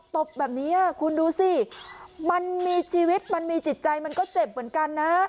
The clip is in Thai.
ตบแบบนี้คุณดูสิมันมีชีวิตมันมีจิตใจมันก็เจ็บเหมือนกันนะ